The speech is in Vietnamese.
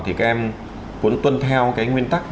thì các em cũng tuân theo cái nguyên tắc